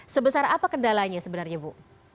sebesar apa kendalanya sebenarnya bu